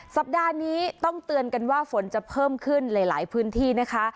สัปดาห์นี้ต้องเตือนกันว่าฝนจะเพิ่มขึ้นหลายพื้นที่นะคะ